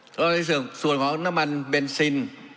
เพราะว่าในส่วนของน้ำมันเบนซิน